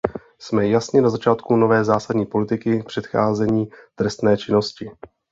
Jsme jasně na začátku nové zásadní politiky předcházení trestné činnosti.